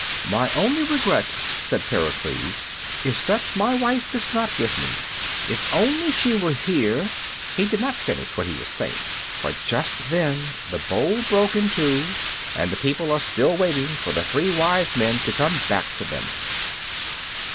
"My only regret," said Pericles, "is that my wife is not with me. If only she were here" He did not finish what he was saying, for just then the bowl broke in two. And the people are still waiting for the three wise men to come back to them.